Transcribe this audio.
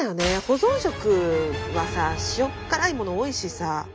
保存食はさ塩っ辛いもの多いしさ。